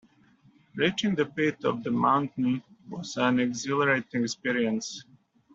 Reaching the peak of the mountain was an exhilarating experience.